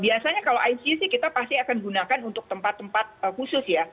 biasanya kalau icu sih kita pasti akan gunakan untuk tempat tempat khusus ya